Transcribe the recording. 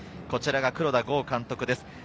こちらが黒田剛監督です。